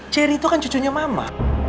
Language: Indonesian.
ceri itu kan cucunya mama